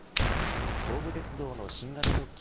東武鉄道の新型特急